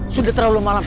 sudah terlalu malam